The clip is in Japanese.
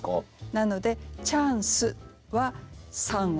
なので「チャンス」は三音。